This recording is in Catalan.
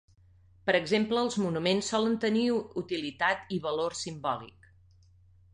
Per exemple, els monuments solen tenir utilitat i valor simbòlic.